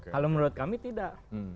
kalau menurut kami tidak